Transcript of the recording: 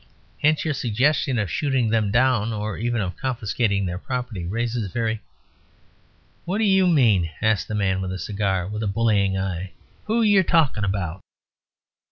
Hence your suggestion of shooting them down, or even of confiscating their property, raises very " "What do you mean?" asked the man with the cigar, with a bullying eye. "Who yer talking about?"